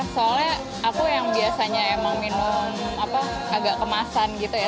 soalnya aku yang biasanya emang minum agak kemasan gitu ya